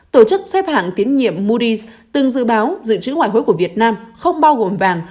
tổ chức xếp hạng tiến nhiệm moodise từng dự báo dự trữ ngoại hối của việt nam không bao gồm vàng